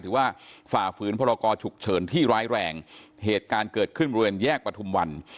ฝ่าฝืนพรกรฉุกเฉินที่ร้ายแรงเหตุการณ์เกิดขึ้นบริเวณแยกประทุมวัน